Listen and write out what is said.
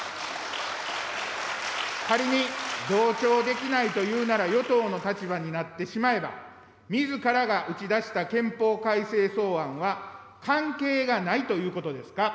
仮に、同調できないというなら、与党の立場になってしまえば、みずからが打ち出した憲法改正草案は関係がないということですか。